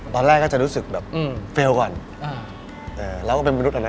ตอนแรกก็จะรู้สึกแบบเฟลล์ก่อนเราก็เป็นมนุษย์